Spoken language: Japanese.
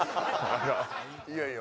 いやいや。